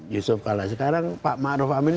yusuf kalau sekarang pak ma'ruf amin